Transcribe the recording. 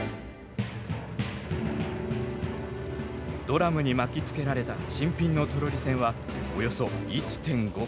ドラムに巻きつけられた新品のトロリ線はおよそ１．５ｋｍ。